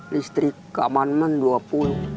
listrik keamanan rp dua puluh